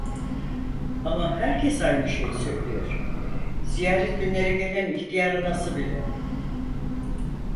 Ama herkes aynı şeyi söylüyor, ziyaret günleri gelen ihtiyar anası bile...